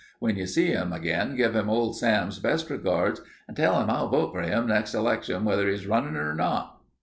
When you see him again give him old Sam's best regards and tell him I'll vote for him next election whether he's runnin' or not."